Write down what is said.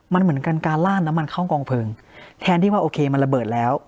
มันเหมือนกันการลาดน้ำมันเข้ากองเพลิงแทนที่ว่าโอเคมันระเบิดแล้ว